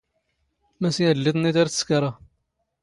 ⵎⴰ ⵙ ⵢⴰⴷⵍⵍⵉ ⵜⵏⵏⵉⴷ ⴰⵔ ⵜ ⵙⴽⴰⵔⵖ?